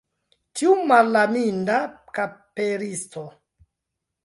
Tiu malaminda kaperisto!